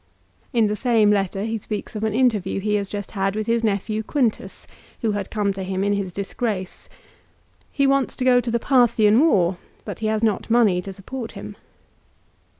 In the same letter he speaks of an interview he has just had with his nephew Quintus, who had come to him in his disgrace. He wants to go to the Parthian war, but he has not money to support him.